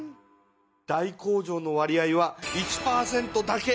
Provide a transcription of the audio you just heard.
大工場の割合は１％だけ。